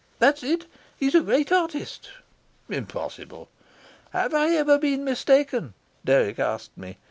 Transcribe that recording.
"That's it. He's a great artist." "Impossible." "Have I ever been mistaken?" Dirk asked me.